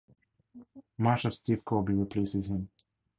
Marshal Steve Corbie replaces him.